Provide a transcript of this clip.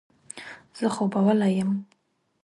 زه خوبولی یم.